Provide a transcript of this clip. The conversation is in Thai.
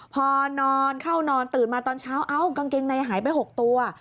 พอนอนเข้านอนตื่นมาตอนเช้าเอ้ากางเกงในหายไป๖ตัว